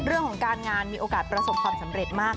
เรื่องของการงานมีโอกาสประสบความสำเร็จมาก